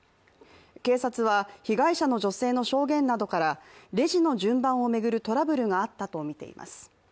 警察は、被害者の女性の証言などからレジの順番を巡るトラブルがあったとみています。